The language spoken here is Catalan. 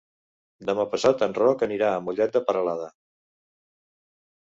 Demà passat en Roc anirà a Mollet de Peralada.